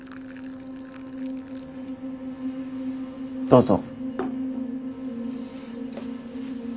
どうぞ。